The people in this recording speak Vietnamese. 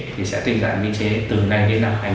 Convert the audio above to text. thì sẽ tinh dạng biên chế từ nay đến năm hai nghìn hai mươi một